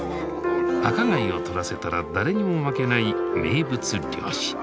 赤貝を取らせたら誰にも負けない名物漁師。